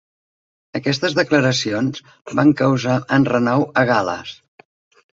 Aquestes declaracions van causar enrenou a Gal·les.